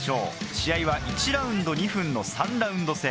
試合は１ラウンド２分の３ラウンド制。